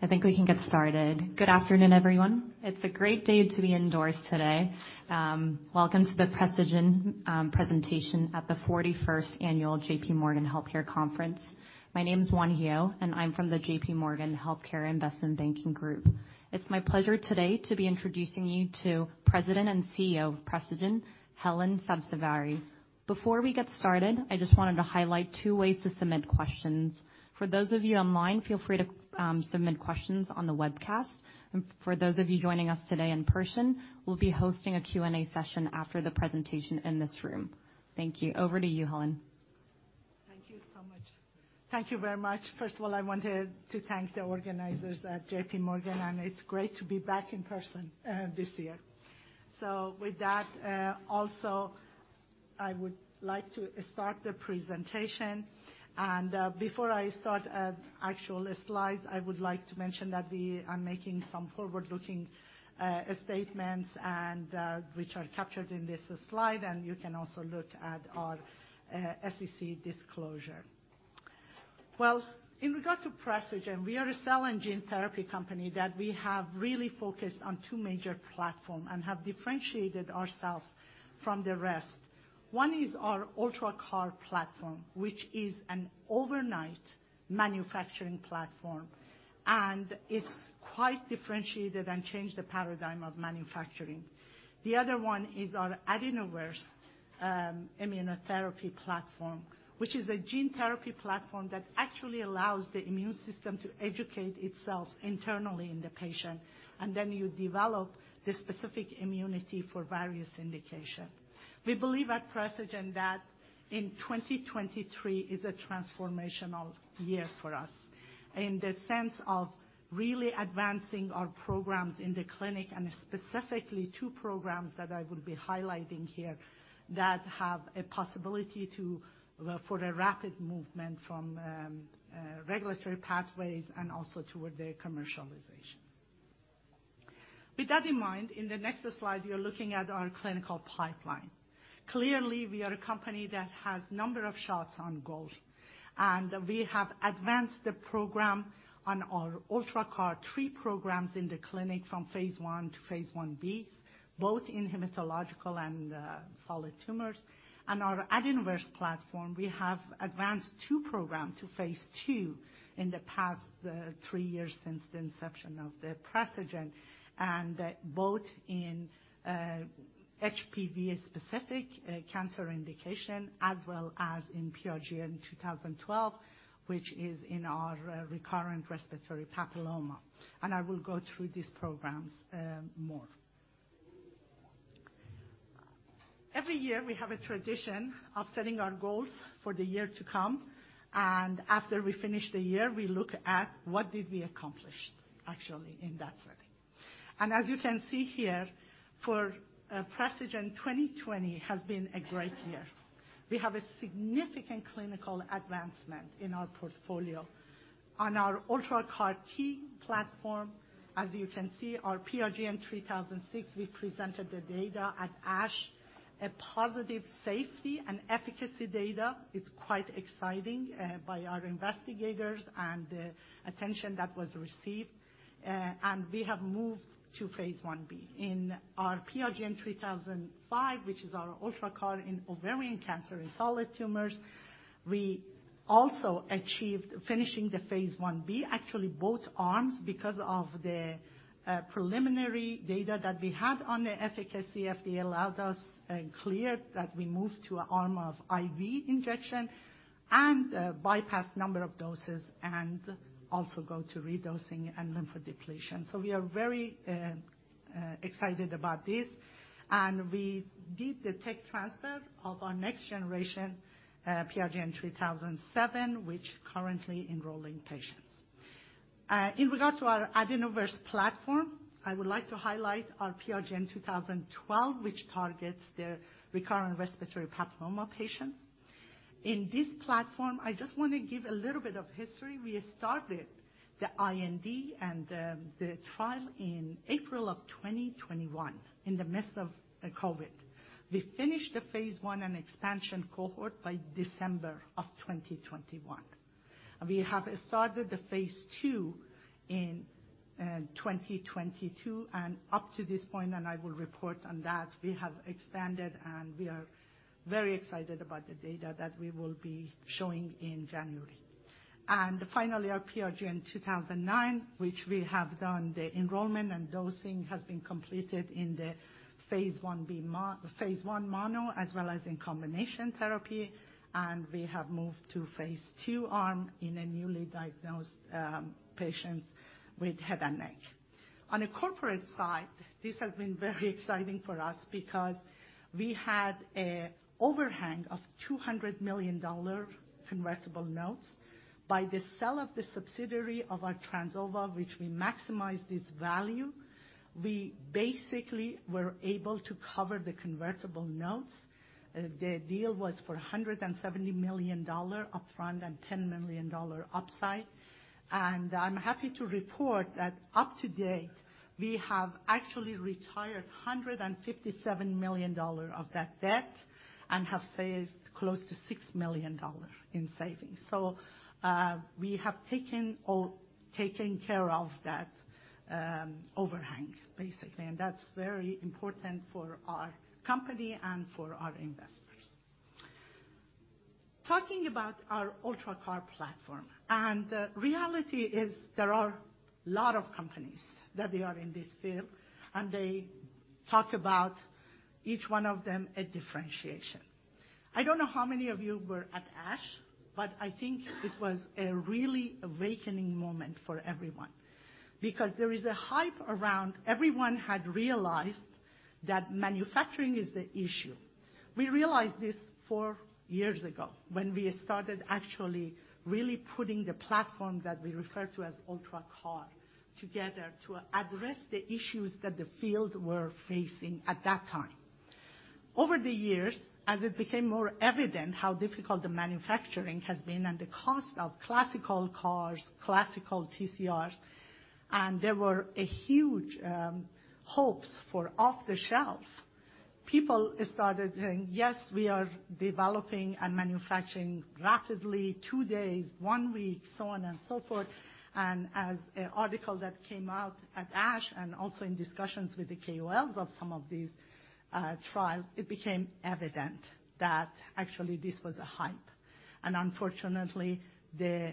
I think we can get started. Good afternoon, everyone. It's a great day to be indoors today. Welcome to the Precigen presentation at the 41st annual JP Morgan Healthcare Conference. My name is John Hill, and I'm from the JP Morgan Healthcare Investment Banking group. It's my pleasure today to be introducing you to President and CEO of Precigen, Helen Sabzevari. Before we get started, I just wanted to highlight two ways to submit questions. For those of you online, feel free to submit questions on the webcast. For those of you joining us today in person, we'll be hosting a Q&A session after the presentation in this room. Thank you. Over to you, Helen. Thank you so much. Thank you very much. First of all, I wanted to thank the organizers at JP Morgan, and it's great to be back in person this year. With that, also, I would like to start the presentation. Before I start actual slides, I would like to mention that we are making some forward-looking statements and which are captured in this slide, and you can also look at our SEC disclosure. Well, in regard to Precigen, we are a cell and gene therapy company that we have really focused on two major platform and have differentiated ourselves from the rest. One is our UltraCAR platform, which is an overnight manufacturing platform, and it's quite differentiated and changed the paradigm of manufacturing. The other one is our AdenoVerse immunotherapy platform, which is a gene therapy platform that actually allows the immune system to educate itself internally in the patient, and then you develop the specific immunity for various indication. We believe at Precigen that 2023 is a transformational year for us in the sense of really advancing our programs in the clinic, and specifically two programs that I will be highlighting here that have a possibility to for a rapid movement from regulatory pathways and also toward the commercialization. With that in mind, in the next slide, we are looking at our clinical pipeline. Clearly, we are a company that has number of shots on goal, and we have advanced the program on our UltraCAR-T programs in the clinic from phase one to phase 1B, both in hematological and solid tumors. On our AdenoVerse platform, we have advanced two programs to phase two in the past, three years since the inception of the Precigen, both in HPV-specific cancer indication as well as in PRGN-2012, which is in our recurrent respiratory papillomatosis. I will go through these programs more. Every year, we have a tradition of setting our goals for the year to come, and after we finish the year, we look at what did we accomplish actually in that setting. As you can see here, for Precigen, 2020 has been a great year. We have a significant clinical advancement in our portfolio. On our UltraCAR-T platform, as you can see, our PRGN-3006, we presented the data at ASH, a positive safety and efficacy data. It's quite exciting by our investigators and the attention that was received. We have moved to phase 1B. In our PRGN-3005, which is our UltraCAR-T in ovarian cancer in solid tumors, we also achieved finishing the phase 1B, actually both arms, because of the preliminary data that we had on the efficacy. FDA allowed us clear that we move to a arm of IV injection and bypass number of doses and also go to redosing and lymphodepletion. We are very excited about this, and we did the tech transfer of our next generation PRGN-3007, which currently enrolling patients. In regard to our AdenoVerse platform, I would like to highlight our PRGN-2012, which targets the recurrent respiratory papillomatosis patients. In this platform, I just wanna give a little bit of history. We started the IND and the trial in April of 2021, in the midst of COVID. We finished the phase 1 and expansion cohort by December of 2021. We have started the phase 2 in 2022 and up to this point, and I will report on that. We have expanded, and we are very excited about the data that we will be showing in January. Finally, our PRGN-2009, which we have done the enrollment and dosing, has been completed in the phase one mono as well as in combination therapy, and we have moved to phase two arm in a newly diagnosed patients with head and neck. On a corporate side, this has been very exciting for us because we had a overhang of $200 million convertible notes. By the sale of the subsidiary of our Trans Ova, which we maximize this value, we basically were able to cover the convertible notes. The deal was for $170 million upfront and $10 million upside. I'm happy to report that up to date, we have actually retired $157 million of that debt and have saved close to $6 million in savings. We have taken care of that overhang, basically, and that's very important for our company and for our investors. Talking about our UltraCAR platform, and the reality is there are a lot of companies that they are in this field, and they talk about each one of them a differentiation. I don't know how many of you were at ASH, but I think it was a really awakening moment for everyone because there is a hype around everyone had realized that manufacturing is the issue. We realized this four years ago when we started actually really putting the platform that we refer to as UltraCAR together to address the issues that the field were facing at that time. Over the years, as it became more evident how difficult the manufacturing has been and the cost of classical CARs, classical TCRs, and there were a huge hopes for off-the-shelf, people started saying, "Yes, we are developing and manufacturing rapidly, two days, one week," so on and so forth. As an article that came out at ASH and also in discussions with the KOLs of some of these trials, it became evident that actually this was a hype. Unfortunately,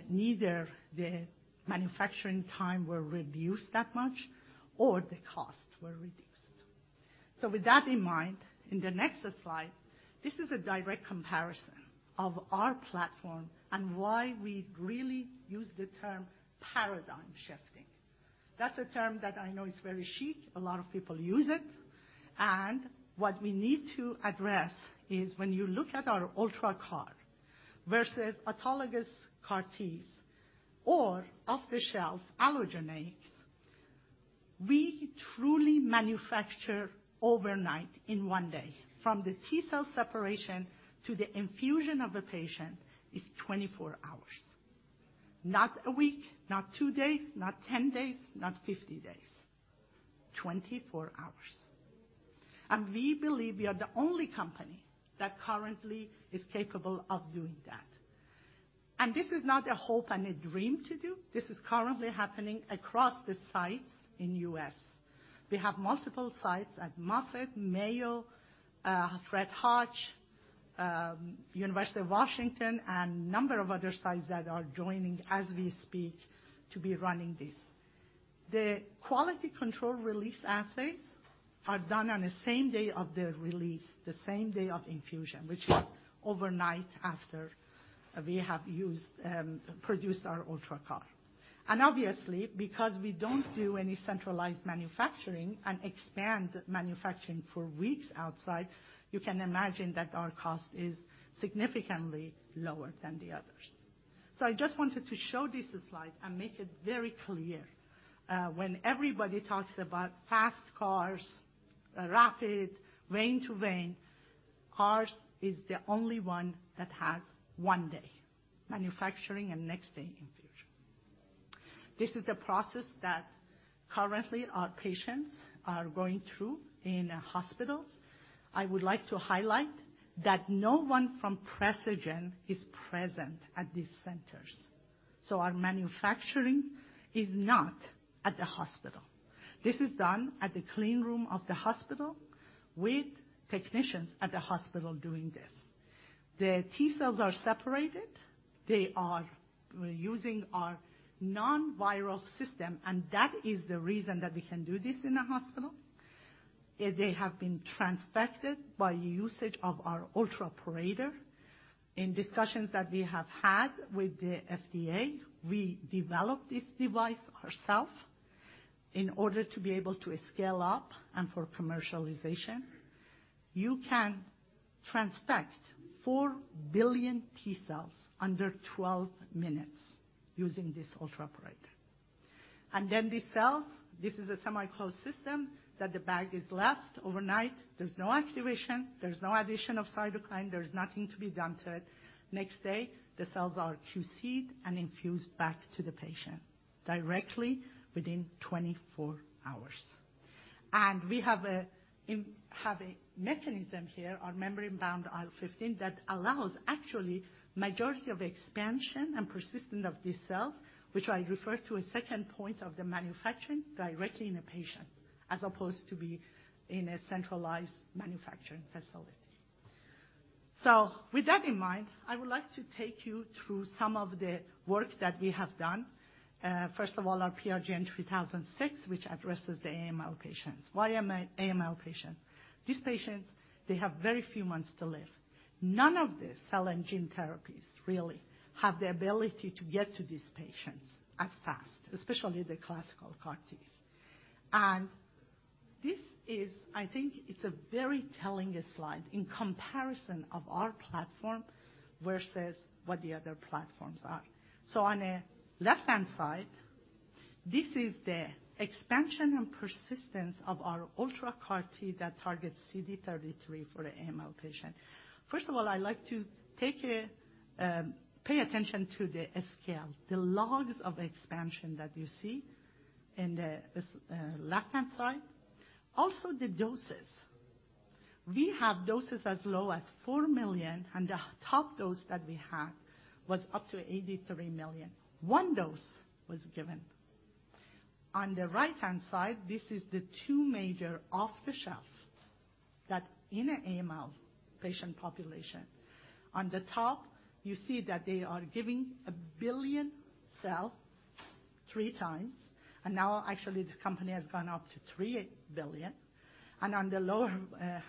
neither the manufacturing time were reduced that much or the costs were reduced. With that in mind, in the next slide, this is a direct comparison of our platform and why we really use the term paradigm-shifting. That's a term that I know is very chic. A lot of people use it. What we need to address is when you look at our UltraCAR versus autologous CAR-Ts or off-the-shelf allogeneics, we truly manufacture overnight in one day. From the T-cell separation to the infusion of the patient is 24 hours. Not a week, not two days, not 10 days, not 50 days. 24 hours. We believe we are the only company that currently is capable of doing that. This is not a hope and a dream to do. This is currently happening across the sites in U.S. We have multiple sites at Moffitt, Mayo, Fred Hutch, University of Washington, and number of other sites that are joining as we speak to be running this. The quality control release assays are done on the same day of the release, the same day of infusion, which is overnight after we have used, produced our UltraCAR. Obviously, because we don't do any centralized manufacturing and expand manufacturing for weeks outside, you can imagine that our cost is significantly lower than the others. I just wanted to show this slide and make it very clear, when everybody talks about fast CARs, rapid, vein to vein, ours is the only one that has one day manufacturing and next day infusion. This is the process that currently our patients are going through in hospitals. I would like to highlight that no one from Precigen is present at these centers. Our manufacturing is not at the hospital. This is done at the clean room of the hospital with technicians at the hospital doing this. The T-cells are separated. They are using our non-viral system, and that is the reason that we can do this in a hospital, is they have been transfected by usage of our UltraPorator. In discussions that we have had with the FDA, we developed this device ourself in order to be able to scale up and for commercialization. You can transfect four billion T-cells under 12 minutes using this UltraPorator. The cells, this is a semi-closed system that the bag is left overnight. There's no activation, there's no addition of cytokine, there's nothing to be done to it. Next day, the cells are QC'd and infused back to the patient directly within 24 hours. We have a mechanism here, our membrane-bound IL-15, that allows actually majority of expansion and persistence of these cells, which I refer to as second point of the manufacturing directly in a patient, as opposed to be in a centralized manufacturing facility. With that in mind, I would like to take you through some of the work that we have done. First of all, our PRGN-3006, which addresses the AML patients. Why AML patients? These patients, they have very few months to live. None of the cell and gene therapies really have the ability to get to these patients as fast, especially the classical CAR-Ts. This is I think it's a very telling slide in comparison of our platform versus what the other platforms are. On a left-hand side, this is the expansion and persistence of our UltraCAR-T that targets CD33 for the AML patient. First of all, I like to take a pay attention to the scale, the logs of expansion that you see in the this left-hand side. Also, the doses. We have doses as low as 4 million, and the top dose that we have was up to 83 million. One dose was given. On the right-hand side, this is the two major off-the-shelf that in the AML patient population. On the top, you see that they are giving a one billion cell three times, and now actually this company has gone up to three billion. On the lower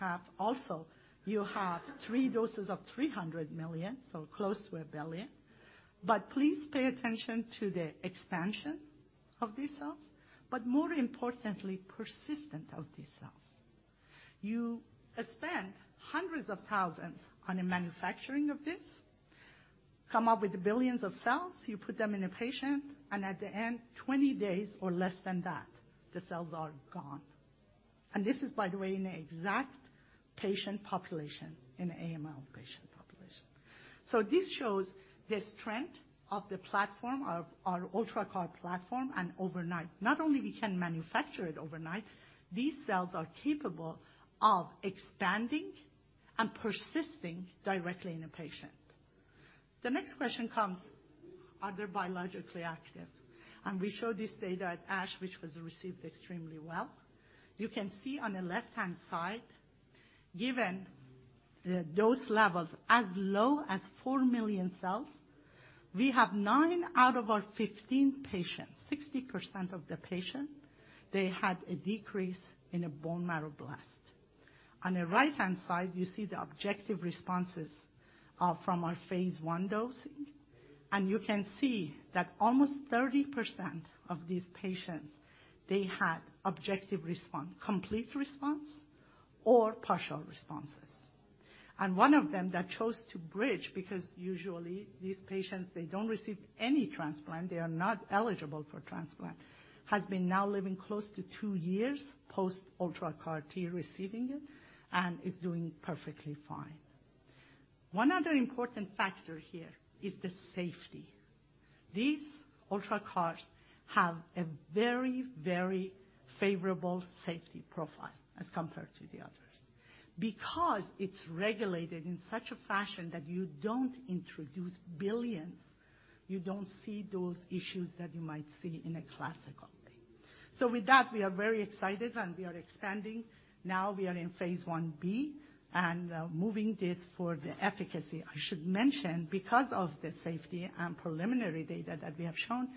half also, you have three doses of 300 million, so close to one billion. Please pay attention to the expansion of these cells, but more importantly, persistence of these cells. You spend hundreds of thousands on the manufacturing of this, come up with billions of cells, you put them in a patient, and at the end, 20 days or less than that, the cells are gone. This is by the way, in the exact patient population, in the AML patient population. This shows the strength of the platform of our UltraCAR platform and overnight. Not only we can manufacture it overnight, these cells are capable of expanding and persisting directly in a patient. The next question comes, are they biologically active? We showed this data at ASH, which was received extremely well. You can see on the left-hand side, given the dose levels as low as four million cells, we have nine out of our 15 patients, 60% of the patients, they had a decrease in a bone marrow blast. On the right-hand side, you see the objective responses from our phase one dosing, and you can see that almost 30% of these patients, they had objective response, complete response or partial responses. One of them that chose to bridge, because usually these patients, they don't receive any transplant, they are not eligible for transplant, has been now living close to two years post UltraCAR-T receiving it, and is doing perfectly fine. One other important factor here is the safety. These UltraCARs have a very, very favorable safety profile as compared to the others. Because it's regulated in such a fashion that you don't introduce billions, you don't see those issues that you might see in a classical thing. With that, we are very excited and we are expanding. Now we are in phase 1B and moving this for the efficacy. I should mention, because of the safety and preliminary data that we have shown,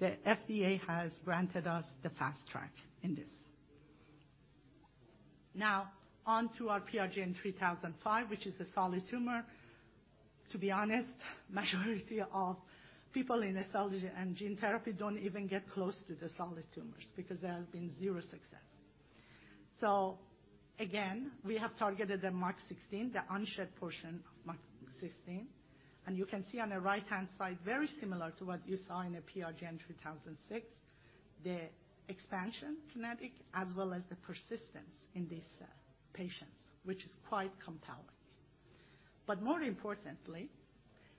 the FDA has granted us the Fast Track in this. Now on to our PRGN-3005, which is a solid tumor. To be honest, majority of people in oncology and gene therapy don't even get close to the solid tumors because there has been 0 success. Again, we have targeted the MUC16, the unshed portion of MUC16. You can see on the right-hand side, very similar to what you saw in the PRGN-3006, the expansion kinetic as well as the persistence in these patients, which is quite compelling. More importantly,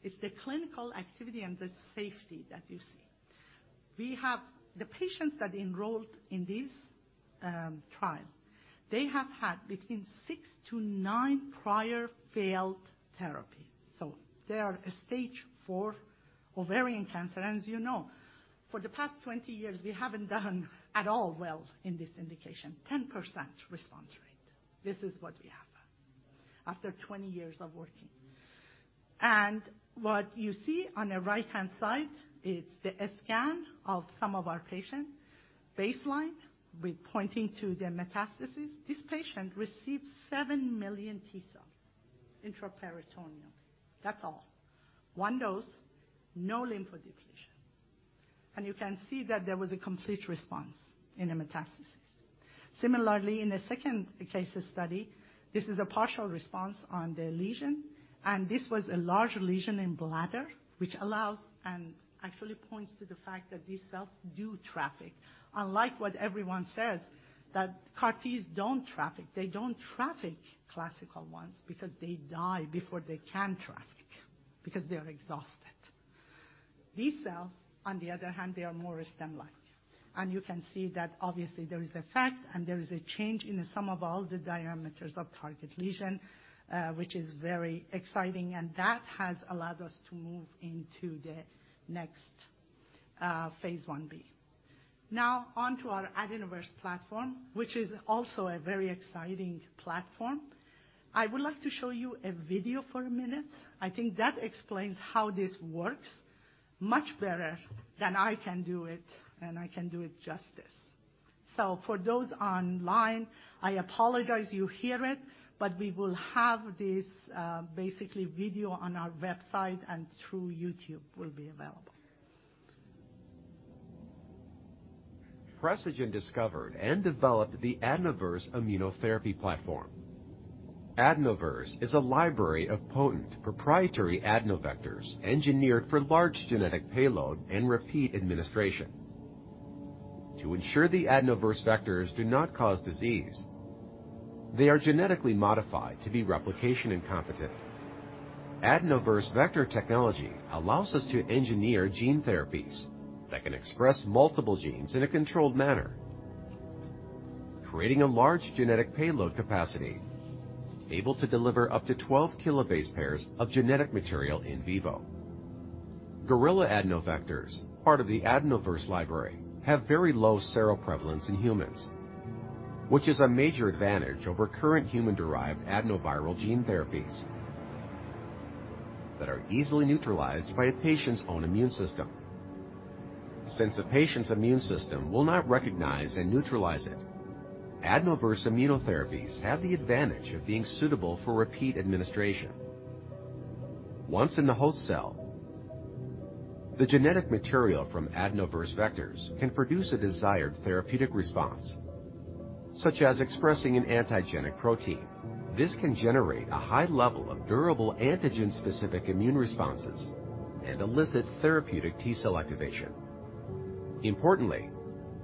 it's the clinical activity and the safety that you see. The patients that enrolled in this trial, they have had between six-nine prior failed therapy. They are a stage four ovarian cancer, and as you know, for the past 20 years, we haven't done at all well in this indication. 10% response rate. This is what we have after 20 years of working. What you see on the right-hand side is the scan of some of our patient baseline. We're pointing to the metastasis. This patient received 7 million T-cells intraperitoneum. That's all. 1 dose, no lymphodepletion. You can see that there was a complete response in the metastasis. Similarly, in the second case study, this is a partial response on the lesion, and this was a large lesion in bladder, which allows and actually points to the fact that these cells do traffic. Unlike what everyone says that CAR-T don't traffic. They don't traffic classical ones because they die before they can traffic, because they are exhausted. These cells, on the other hand, they are more stem-like. You can see that obviously there is effect and there is a change in the sum of all the diameters of target lesion, which is very exciting, and that has allowed us to move into the next phase one B. Now on to our AdenoVerse platform, which is also a very exciting platform. I would like to show you a video for a minute. I think that explains how this works much better than I can do it, and I can do it justice. For those online, I apologize you hear it, but we will have this, basically video on our website and through YouTube will be available. Precigen discovered and developed the AdenoVerse immunotherapy platform. AdenoVerse is a library of potent proprietary adenovectors engineered for large genetic payload and repeat administration. To ensure the AdenoVerse vectors do not cause disease, they are genetically modified to be replication-incompetent. AdenoVerse vector technology allows us to engineer gene therapies that can express multiple genes in a controlled manner, creating a large genetic payload capacity, able to deliver up to 12 kilobase pairs of genetic material in vivo. Gorilla adenovectors, part of the AdenoVerse library, have very low seroprevalence in humans, which is a major advantage over current human-derived adenoviral gene therapies that are easily neutralized by a patient's own immune system. Since a patient's immune system will not recognize and neutralize it, AdenoVerse immunotherapies have the advantage of being suitable for repeat administration. Once in the host cell, the genetic material from AdenoVerse vectors can produce a desired therapeutic response, such as expressing an antigenic protein. This can generate a high level of durable antigen-specific immune responses and elicit therapeutic T-cell activation. Importantly,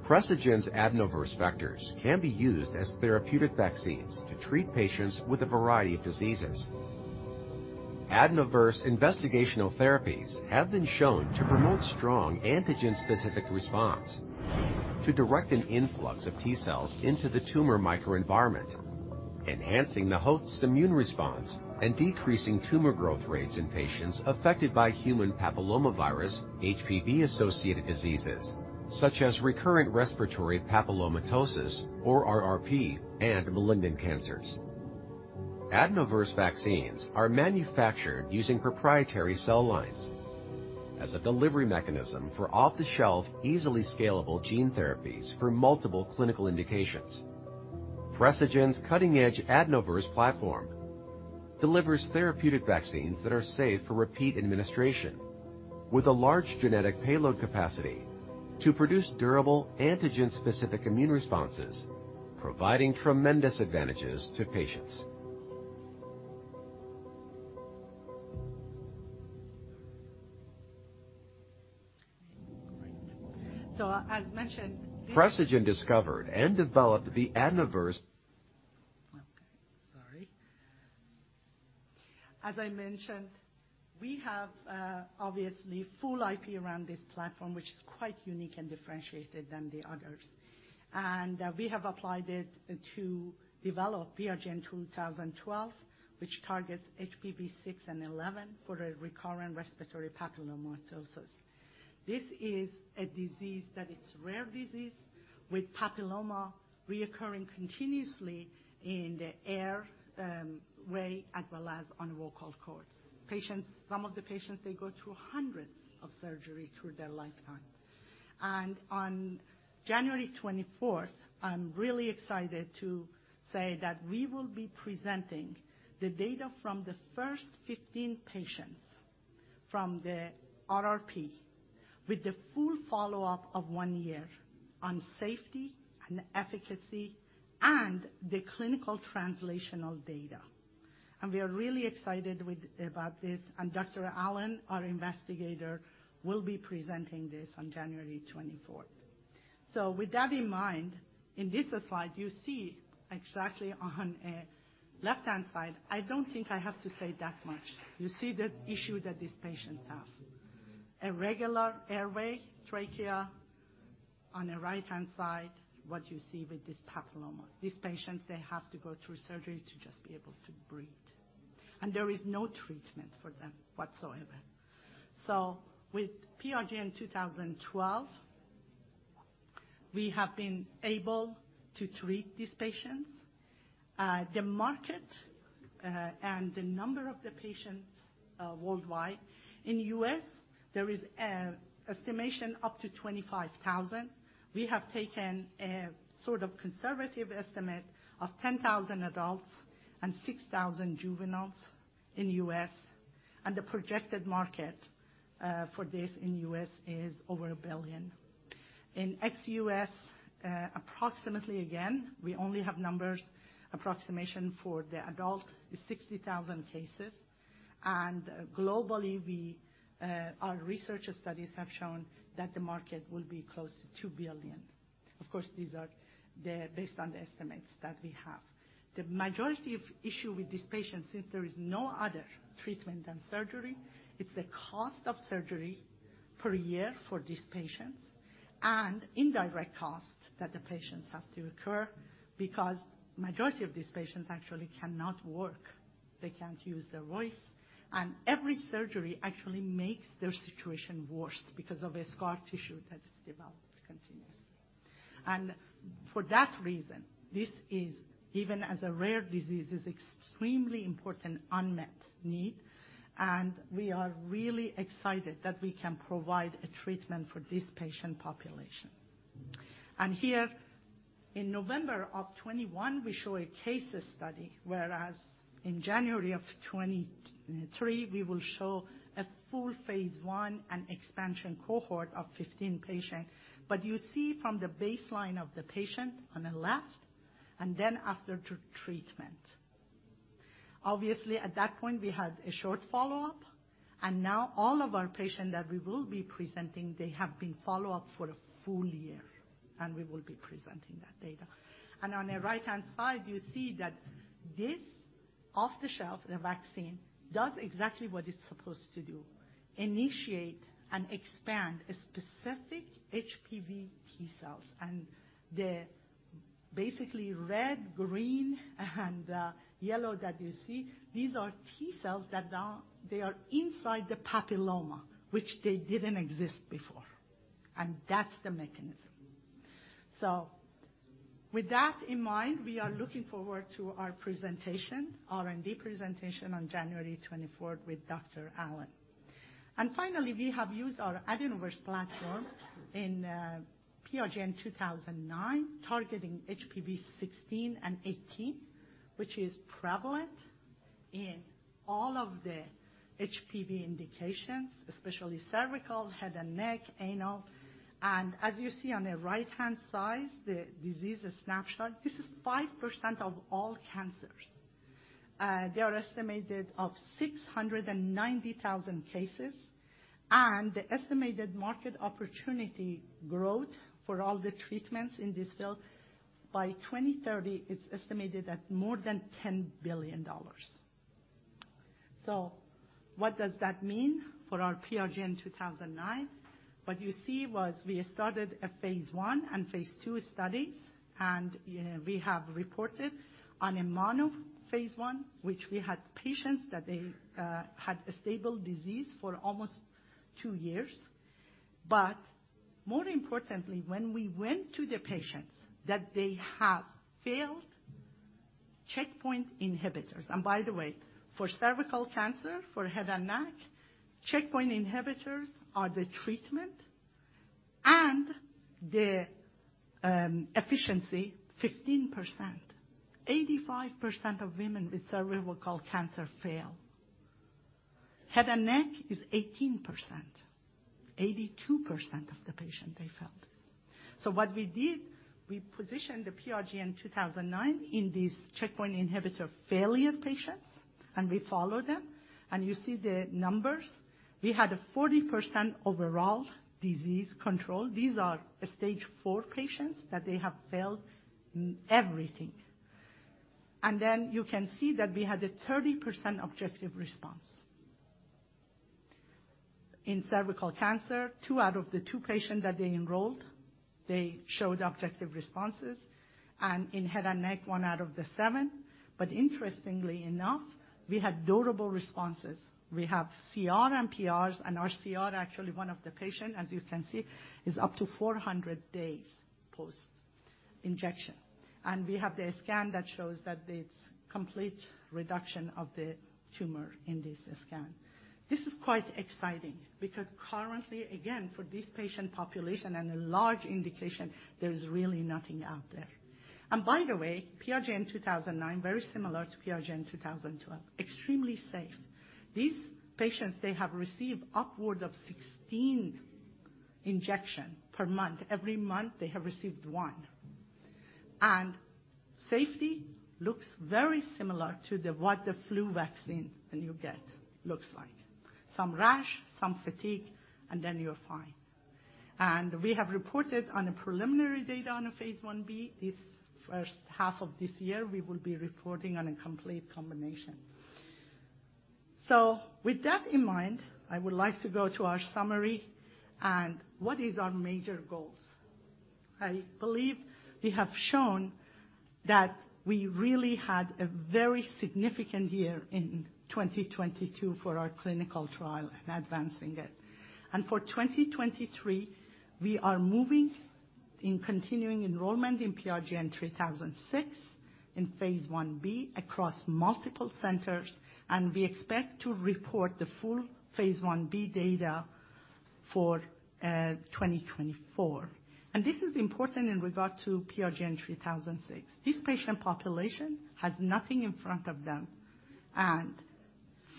Precigen's AdenoVerse vectors can be used as therapeutic vaccines to treat patients with a variety of diseases. AdenoVerse investigational therapies have been shown to promote strong antigen-specific response to direct an influx of T-cells into the tumor microenvironment, enhancing the host's immune response and decreasing tumor growth rates in patients affected by human papillomavirus, HPV-associated diseases such as recurrent respiratory papillomatosis, or RRP, and malignant cancers. AdenoVerse vaccines are manufactured using proprietary cell lines as a delivery mechanism for off-the-shelf, easily scalable gene therapies for multiple clinical indications. Precigen's cutting-edge AdenoVerse platform delivers therapeutic vaccines that are safe for repeat administration with a large genetic payload capacity to produce durable antigen-specific immune responses, providing tremendous advantages to patients. As mentioned. Precigen discovered and developed the AdenoVerse. Okay, sorry. As I mentioned, we have obviously full IP around this platform, which is quite unique and differentiated than the others. We have applied it to develop PRGN-2012, which targets HPV 6 and 11 for a recurrent respiratory papillomatosis. This is a disease that is rare disease with papilloma reoccurring continuously in the airway as well as on vocal cords. Some of the patients, they go through hundreds of surgery through their lifetime. On January 24th, I'm really excited to say that we will be presenting the data from the first 15 patients from the RRP with the full follow-up of 1 year on safety and efficacy and the clinical translational data. We are really excited about this. Dr. Allen, our investigator, will be presenting this on January 24th. With that in mind, in this slide, you see exactly on the left-hand side. I don't think I have to say that much. You see the issue that these patients have. A regular airway trachea on the right-hand side, what you see with this papilloma. These patients, they have to go through surgery to just be able to breathe, and there is no treatment for them whatsoever. With PRGN-2012, we have been able to treat these patients. The market, and the number of the patients, worldwide. In U.S., there is estimation up to 25,000. We have taken a sort of conservative estimate of 10,000 adults and 6,000 juveniles in U.S., and the projected market for this in U.S. is over one billion. In ex-U.S., approximately again, we only have numbers approximation for the adult is 60,000 cases. Globally, we, our research studies have shown that the market will be close to two billion. These are based on the estimates that we have. The majority of issue with these patients, since there is no other treatment than surgery, it's the cost of surgery per year for these patients and indirect costs that the patients have to incur because majority of these patients actually cannot work. They can't use their voice, and every surgery actually makes their situation worse because of a scar tissue that's developed continuously. For that reason, this is, even as a rare disease, is extremely important unmet need, and we are really excited that we can provide a treatment for this patient population. Here in November of 2021, we show a case study, whereas in January of 2023, we will show a full phase I and expansion cohort of 15 patients. You see from the baseline of the patient on the left and then after treatment. Obviously, at that point, we had a short follow-up, and now all of our patients that we will be presenting, they have been follow-up for a full year, and we will be presenting that data. On the right-hand side, you see that this off-the-shelf vaccine does exactly what it is supposed to do, initiate and expand a specific HPV T-cells. The basically red, green, and yellow that you see, these are T-cells. They are inside the papilloma, which they didn't exist before. That's the mechanism. With that in mind, we are looking forward to our presentation, R&D presentation on January 24th with Dr. Allen. Finally, we have used our AdenoVerse platform in PRGN-2009, targeting HPV 16 and 18, which is prevalent in all of the HPV indications, especially cervical, head and neck, anal. As you see on the right-hand side, the disease snapshot, this is 5% of all cancers. They are estimated of 690,000 cases, and the estimated market opportunity growth for all the treatments in this field by 2030, it's estimated at more than $10 billion. What does that mean for our PRGN-2009? What you see was we started a phase one and phase two study, and we have reported on immune phase one, which we had patients that they had a stable disease for almost two years. More importantly, when we went to the patients that they have failed checkpoint inhibitors. By the way, for cervical cancer, for head and neck, checkpoint inhibitors are the treatment, and the efficiency 15%. 85% of women with cervical cancer fail. Head and neck is 18%. 82% of the patient, they failed. What we did, we positioned the PRGN-2009 in these checkpoint inhibitor failure patients, and we followed them, and you see the numbers. We had a 40% overall disease control. These are stage four patients that they have failed everything. You can see that we had a 30% objective response. In cervical cancer, two out of the two patients that they enrolled, they showed objective responses, and in head and neck, one out of the seven. Interestingly enough, we had durable responses. We have CR and PRs, our CR, actually, one of the patient, as you can see, is up to 400 days post-injection. We have the scan that shows that it's complete reduction of the tumor in this scan. This is quite exciting because currently, again, for this patient population and a large indication, there's really nothing out there. By the way, PRGN-2009, very similar to PRGN-2012, extremely safe. These patients, they have received upward of 16 injection per month. Every month, they have received one. Safety looks very similar to the flu vaccine that you get looks like. Some rash, some fatigue, and then you're fine. We have reported on a preliminary data on a phase 1B. This first half of this year, we will be reporting on a complete combination. With that in mind, I would like to go to our summary and what is our major goals. I believe we have shown that we really had a very significant year in 2022 for our clinical trial and advancing it. For 2023, we are moving in continuing enrollment in PRGN-3006 in phase 1B across multiple centers, and we expect to report the full phase 1B data for 2024. This is important in regard to PRGN-3006. This patient population has nothing in front of them.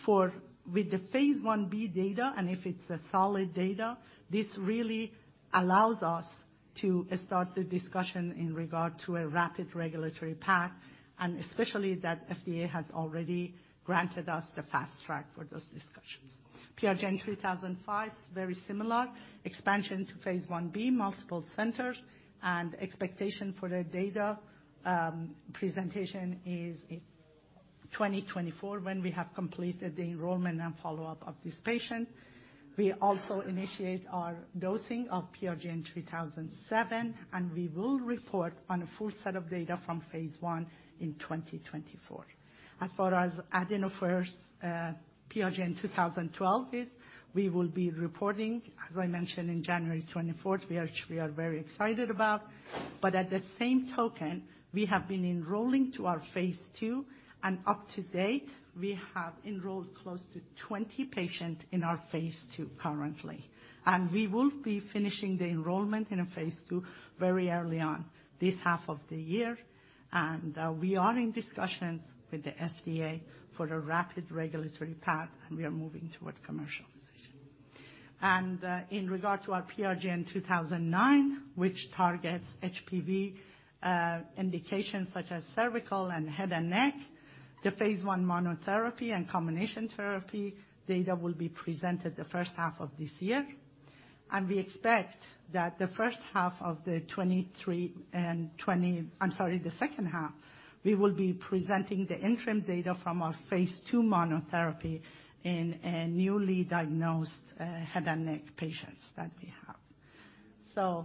With the phase 1B data, if it's a solid data, this really allows us to start the discussion in regard to a rapid regulatory path, especially that FDA has already granted us the Fast Track for those discussions. PRGN-3005, very similar. Expansion to phase 1B, multiple centers, expectation for the data presentation is in 2024 when we have completed the enrollment and follow-up of this patient. We also initiate our dosing of PRGN-3007, we will report on a full set of data from phase one in 2024. As far as AdenoVerse, PRGN-2012 is we will be reporting, as I mentioned in January 24th, we are very excited about. At the same token, we have been enrolling to our phase two, and up to date, we have enrolled close to 20 patients in our phase two currently. We will be finishing the enrollment in a phase two very early on this half of the year. We are in discussions with the FDA for a rapid regulatory path, and we are moving toward commercialization. In regard to our PRGN-2009, which targets HPV indications such as cervical and head and neck, the phase 1 monotherapy and combination therapy data will be presented the first half of this year. We expect that the first half of 2023. I'm sorry, the second half, we will be presenting the interim data from our phase two monotherapy in a newly diagnosed head and neck patients that we have.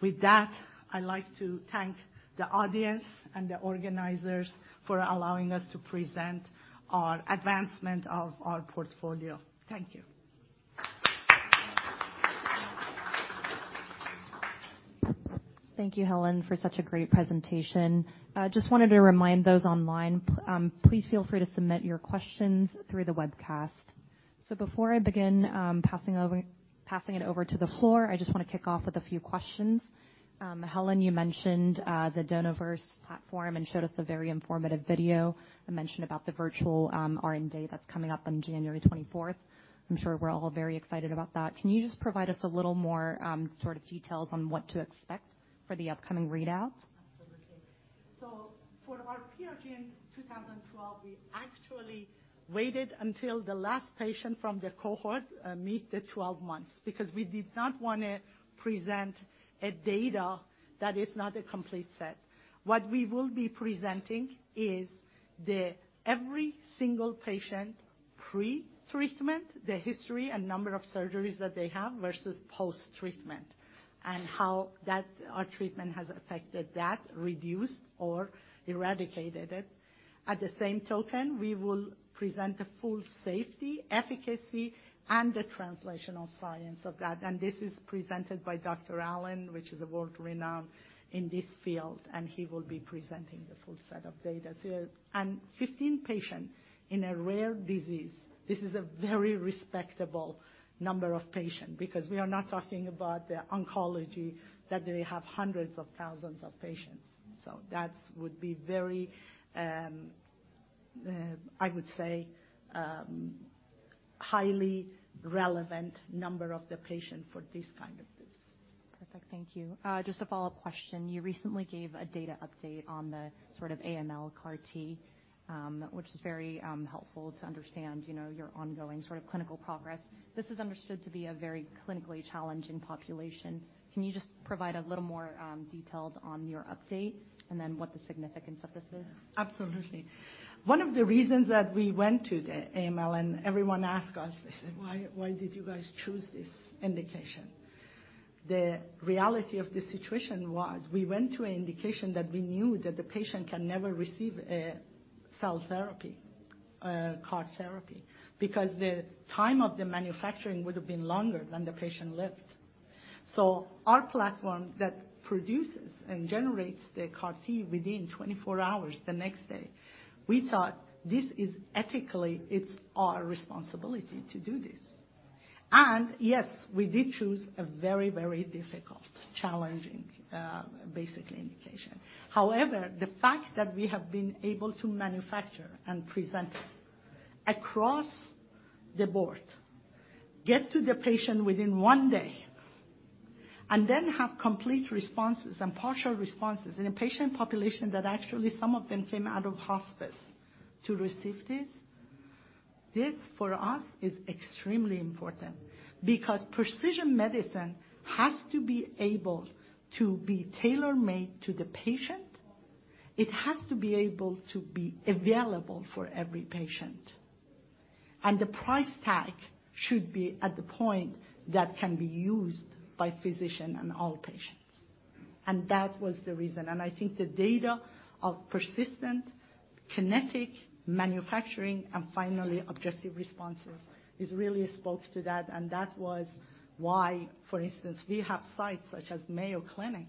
With that, I'd like to thank the audience and the organizers for allowing us to present our advancement of our portfolio. Thank you. Thank you, Helen, for such a great presentation. Just wanted to remind those online, please feel free to submit your questions through the webcast. Before I begin, passing it over to the floor, I just wanna kick off with a few questions. Helen, you mentioned the AdenoVerse platform and showed us a very informative video. You mentioned about the virtual R&D day that's coming up on January 24th. I'm sure we're all very excited about that. Can you just provide us a little more sort of details on what to expect for the upcoming readouts? Absolutely. For our PRGN-2012, we actually waited until the last patient from the cohort, meet the 12 months because we did not wanna present a data that is not a complete set. What we will be presenting is the every single patient pretreatment, the history and number of surgeries that they have versus post-treatment and how our treatment has affected that, reduced or eradicated it. At the same token, we will present the full safety, efficacy, and the translational science of that, and this is presented by Dr. Allen, which is world-renowned in this field, and he will be presenting the full set of data. Fifteen patients in a rare disease, this is a very respectable number of patient because we are not talking about the oncology that they have hundreds of thousands of patients. That would be very, I would say, highly relevant number of the patient for this kind of disease. Perfect. Thank you. Just a follow-up question. You recently gave a data update on the sort of AML CAR-T, which is very helpful to understand, you know, your ongoing sort of clinical progress. This is understood to be a very clinically challenging population. Can you just provide a little more details on your update and then what the significance of this is? Absolutely. One of the reasons that we went to the AML, everyone asked us, they said, "Why, why did you guys choose this indication?" The reality of the situation was we went to an indication that we knew that the patient can never receive a cell therapy, CAR therapy, because the time of the manufacturing would have been longer than the patient lived. Our platform that produces and generates the CAR-T within 24 hours the next day, we thought this is ethically it's our responsibility to do this. Yes, we did choose a very difficult challenging, basic indication. However, the fact that we have been able to manufacture and present across the board, get to the patient within one day, and then have complete responses and partial responses in a patient population that actually some of them came out of hospice to receive this for us is extremely important because precision medicine has to be able to be tailor-made to the patient. It has to be able to be available for every patient, and the price tag should be at the point that can be used by physician and all patients. That was the reason. I think the data of persistent kinetic manufacturing and finally objective responses is really spoke to that. That was why, for instance, we have sites such as Mayo Clinic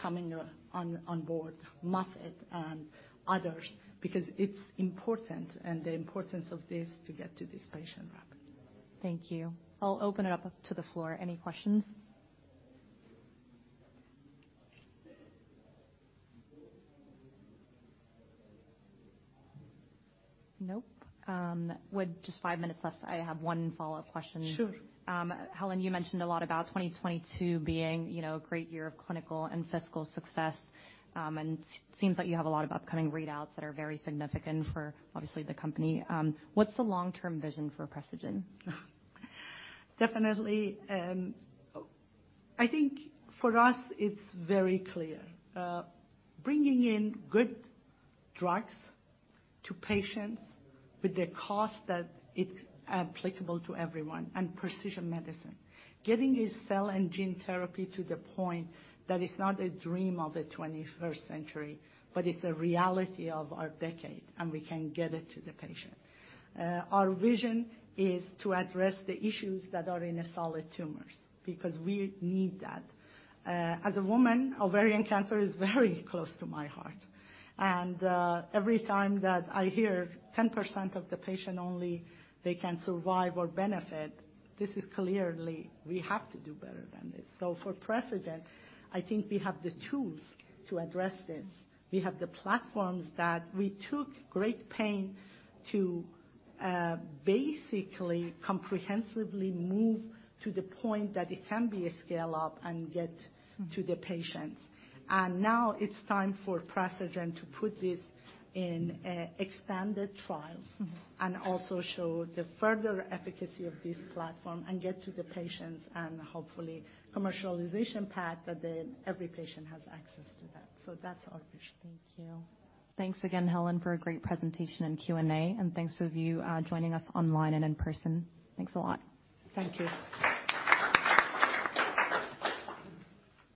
coming on board, Moffitt and others because it's important. The importance of this to get to this patient rapid. Thank you. I'll open it up to the floor. Any questions? Nope. with just five minutes left, I have one follow-up question. Sure. Helen, you mentioned a lot about 2022 being, you know, a great year of clinical and fiscal success, and seems like you have a lot of upcoming readouts that are very significant for obviously the company. What's the long-term vision for Precigen? Definitely, I think for us it's very clear, bringing in good drugs to patients with the cost that it's applicable to everyone and precision medicine. Getting a cell and gene therapy to the point that it's not a dream of the 21st century, but it's a reality of our decade and we can get it to the patient. Our vision is to address the issues that are in solid tumors because we need that. As a woman, ovarian cancer is very close to my heart. Every time that I hear 10% of the patient only they can survive or benefit, this is clearly we have to do better than this. For Precigen, I think we have the tools to address this. We have the platforms that we took great pain to, basically comprehensively move to the point that it can be a scale-up and get to the patients. Now it's time for Precigen to put this in, expanded trials. Mm-hmm. Also show the further efficacy of this platform and get to the patients and hopefully commercialization path that then every patient has access to that. That's our vision. Thank you. Thanks again, Helen, for a great presentation and Q&A. Thanks to you, joining us online and in person. Thanks a lot. Thank you.